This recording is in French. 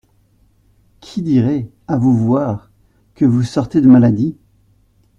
Qui dirait, à vous voir, que vous sortez de maladie ?